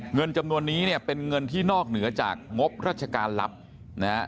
เงินจำนวนนี้เนี่ยเป็นเงินที่นอกเหนือจากงบราชการลับนะฮะ